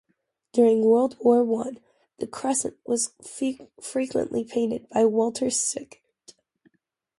During World War One the crescent was frequently painted by Walter Sickert.